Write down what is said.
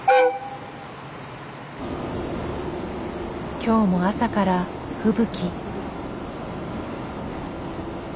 今日も朝から吹雪。